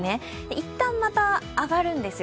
いったんまた上がるんですよ。